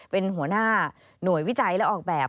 เป็นหัวหน้าหน่วยวิจัยและออกแบบ